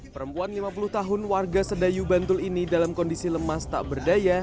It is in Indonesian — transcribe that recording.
perempuan lima puluh tahun warga sedayu bantul ini dalam kondisi lemas tak berdaya